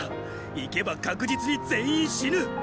行けば確実に全員死ぬっ！